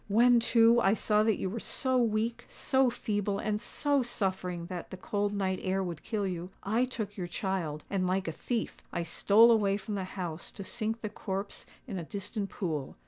_'—When, too, I saw that you were so weak, so feeble, and so suffering that the cold night air would kill you, I took your child, and, like a thief, I stole away from the house to sink the corpse in a distant pool.